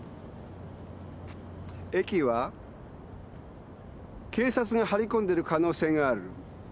駅は警察が張り込んでる可能性がある。